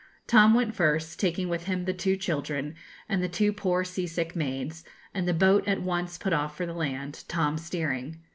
Tom went first, taking with him the two children, and the two poor sea sick maids, and the boat at once put off for the land, Tom steering.